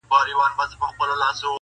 چي به چا ورکړل لوټونه غیرانونه-